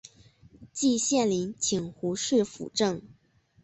季羡林请胡适斧正。